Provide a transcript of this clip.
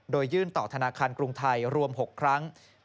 โดยยื่นต่อธนาคารกรุงไทยรวม๖ครั้ง